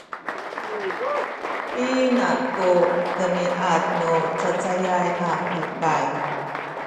pina ku demiad nu cacayay a lipay?